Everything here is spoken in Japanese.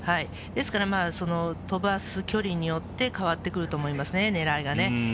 ですから、飛ばす距離によって変わってくると思いますね、ねらいがね。